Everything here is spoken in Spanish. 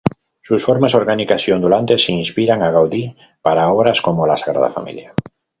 Sus formas orgánicas y ondulantes inspiraron a Gaudí para obras como la Sagrada Familia.